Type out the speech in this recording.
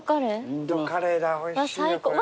インドカレーだおいしいよこれ。